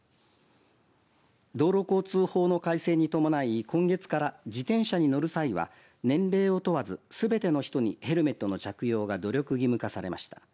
道路交通法の改正に伴い今月から自転車に乗る際は年齢を問わず、すべての人にヘルメットの着用が努力義務化されました。